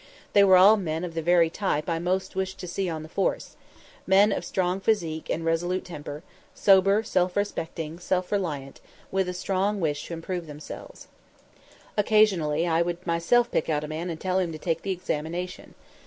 They were all men of the very type I most wished to see on the force men of strong physique and resolute temper, sober, self respecting, self reliant, with a strong wish to improve themselves. Occasionally I would myself pick out a man and tell him to take the examination.